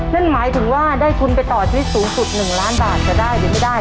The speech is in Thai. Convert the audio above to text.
นั่นหมายถึงว่าได้ทุนไปต่อชีวิตสูงสุด๑ล้านบาทจะได้หรือไม่ได้